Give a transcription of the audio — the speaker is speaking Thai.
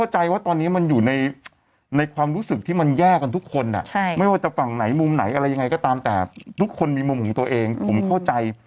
ไหนมุมไหนอะไรยังไงก็ตามแต่ทุกคนมีมุมของตัวเองผมเข้าใจ